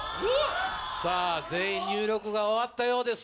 さぁ全員入力が終わったようです。